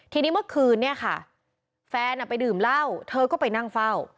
ทีนี้เมื่อคืนเนี่ยค่ะแฟนไปดื่มเหล้าเธอก็ไปนั่งเฝ้า